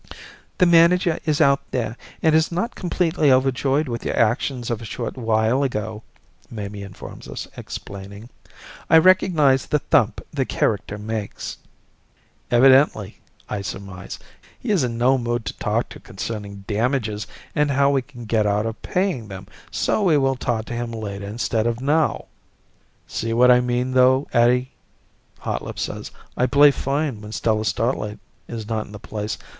"The manager is out there and is not completely overjoyed with your actions of a short while ago," Mamie informs us, explaining, "I recognize the thump the character makes." "Evidently," I surmise, "he is in no mood to talk to concerning damages and how we can get out of paying them, so we will talk to him later instead of now." "See what I mean, though, Eddie," Hotlips says. "I play fine when Stella Starlight is not in the place.